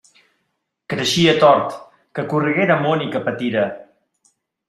Creixia tort: que correguera món i que patira!